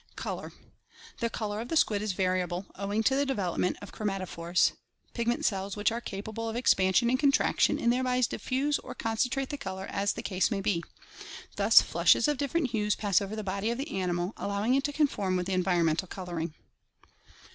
Color. — The color of the squid is variable, owing to the develop ment of chromatophores (see page 230), pigment cells which are capable of expansion and contraction and thereby diffuse or con centrate the color as the case may be; thits flushes of different hues pass over the body of the animal, allowing it to conform with the environmental coloring.